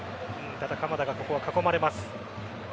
ただ鎌田が囲まれます。